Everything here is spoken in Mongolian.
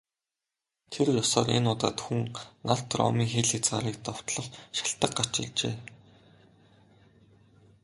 Тэр ёсоор энэ удаад Хүн нарт Ромын хил хязгаарыг довтлох шалтаг гарч иржээ.